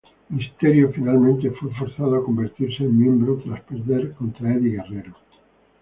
Mysterio finalmente fue forzado a convertirse en miembro tras perder contra Eddie Guerrero.